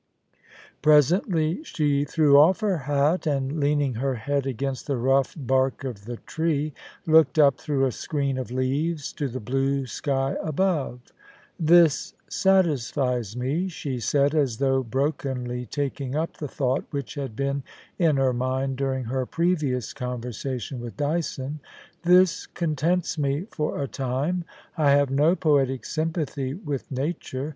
Presently she threw off" her hat, and leaning her head against the rough bark of the tree, looked up through a screen of leaves to the blue sky above. * This satisfies me,* she said, as though brokenly taking up the thought which had been in her mind during her previous conversation with Dyson. ' This contents me for a time. I have no poetic sympathy with nature.